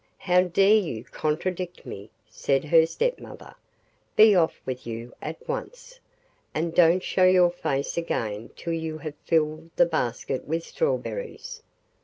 'How dare you contradict me!' said her stepmother; 'be off with you at once, and don't show your face again till you have filled the basket with strawberries.